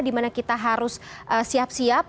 dimana kita harus siap siap